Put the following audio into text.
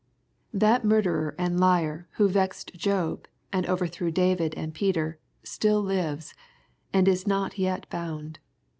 That mur derer and liar who vexed Job, and overthrew David and Peter, still lives, and is not yet bound.